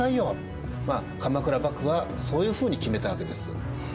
まあ鎌倉幕府はそういうふうに決めたわけです。